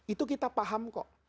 itu kita paham kok